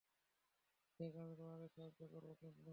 Jack, আমি তোমাকে সাহায্য করবো, কেমন?